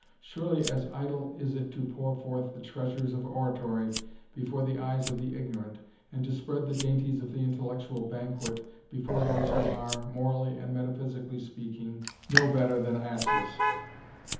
Surely as idle is it to pour forth the treasures of oratory before the eyes of the ignorant, and to spread the dainties of the intellectual banquet before those who are, morally and metaphysically speaking, no better than asses."